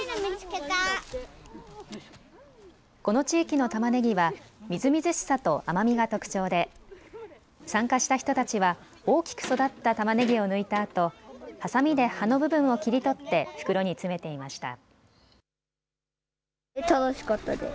この地域のたまねぎはみずみずしさと甘みが特徴で参加した人たちは大きく育ったたまねぎを抜いたあとはさみで葉の部分を切り取って袋に詰めていました。